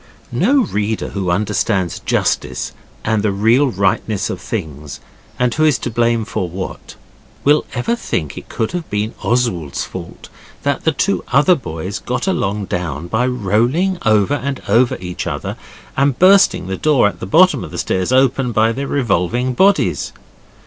No reader who understands justice and the real rightness of things, and who is to blame for what, will ever think it could have been Oswald's fault that the two other boys got along down by rolling over and over each other, and bursting the door at the bottom of the stairs open by their revolving bodies.